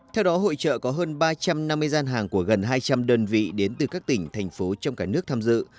theo đó hội trợ có hơn ba trăm năm mươi gian hàng của gần hai trăm linh đơn vị đến từ các tỉnh thành phố trong cả nước tham dự